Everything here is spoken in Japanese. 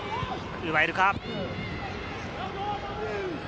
奪えるか。